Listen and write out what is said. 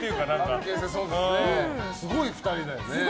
すごい２人だよね。